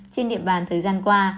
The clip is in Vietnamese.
trên địa bàn thời gian qua